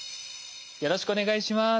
よろしくお願いします。